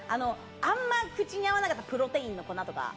あんま口に合わなかったプロテインの粉とか。